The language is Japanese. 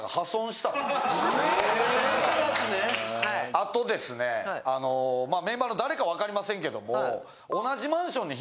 あとですねメンバーの誰か分かりませんけども。